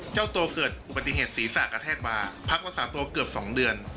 เจ้าตัวเกิดอุบัติเหตุศีรษะกระแทกมาพักรักษาตัวเกือบ๒เดือน